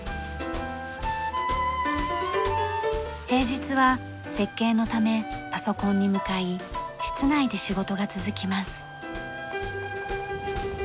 平日は設計のためパソコンに向かい室内で仕事が続きます。